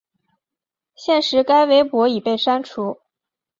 现时该微博已被删除。